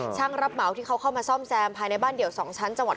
ช่างรับเหมาที่เขาเข้ามาซ่อมแซมภายในบ้านเดี่ยว๒ชั้นจังหวัด